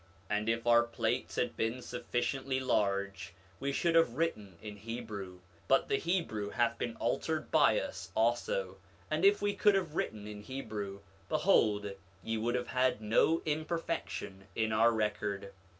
9:33 And if our plates had been sufficiently large we should have written in Hebrew; but the Hebrew hath been altered by us also; and if we could have written in Hebrew, behold, ye would have had no imperfection in our record.